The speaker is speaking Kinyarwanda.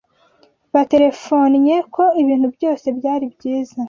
Baterefonnye ko ibintu byose byari byiza.